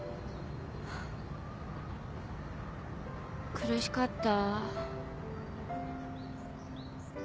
苦しかった。